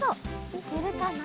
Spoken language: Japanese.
いけるかな？